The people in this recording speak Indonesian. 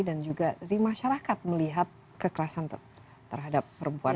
dan juga dari masyarakat melihat kekerasan terhadap perempuan